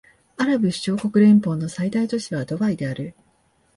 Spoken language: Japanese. アラブ首長国連邦の最大都市はドバイである